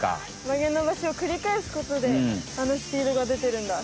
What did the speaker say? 曲げ伸ばしを繰り返すことであのスピードが出てるんだ。